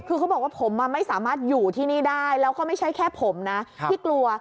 คือเขาบอกว่าผมไม่สามารถอยู่ที่นี่ได้แล้วก็ไม่ใช่แค่ผมนะที่กลัว